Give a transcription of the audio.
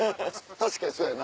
確かにそうやな。